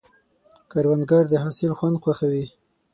کروندګر د حاصل خوند خوښوي